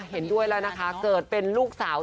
เห็นด้วยแล้วนะคะเกิดเป็นลูกสาว